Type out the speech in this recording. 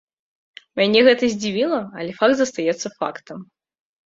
Мяне гэта здзівіла, але факт застаецца фактам.